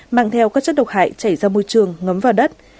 mang theo các chất độc hại chảy ra môi trường ngấm vào đất